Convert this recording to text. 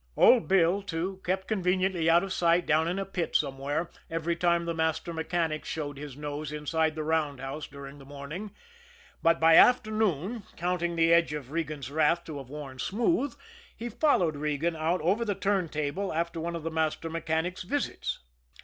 Old Bill, too, kept conveniently out of sight down in a pit somewhere every time the master mechanic showed his nose inside the roundhouse during the morning but by afternoon, counting the edge of Regan's wrath to have worn smooth, he followed Regan out over the turntable after one of the master mechanic's visits.